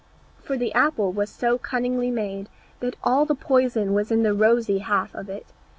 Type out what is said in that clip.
For the apple was so cunningly made, that all the poison was in the rosy half of it.